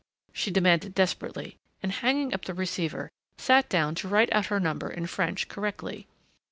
_" she demanded desperately and hanging up the receiver, sat down to write out her number in French correctly.